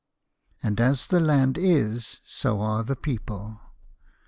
And as the land is, so are the people.